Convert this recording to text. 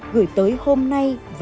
gửi tới hôm nay và mai sau